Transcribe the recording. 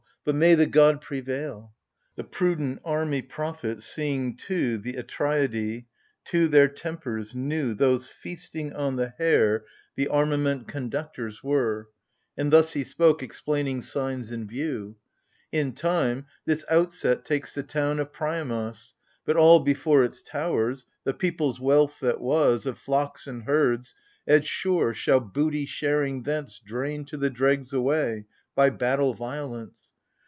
But may the good prevail ! The prudent army prophet seeing two The Atreidai, two their tempers, knew Those feasting on the hare 12 AGAMEMNON. The armament conductors were ; And thus he spoke, explaining signs in view. " In time, this outset takes the town of Priamos : But all before its towers, — the people's wealth that was, Of flocks and herds, — as sure, shall booty sharing thence Drain to the dregs away, by battle violence.